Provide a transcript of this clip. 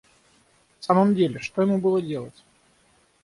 В самом деле, что ему было делать?